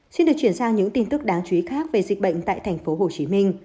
xin được chuyển sang những tin tức đáng chú ý khác về dịch bệnh tại tp hcm